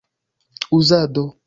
uzado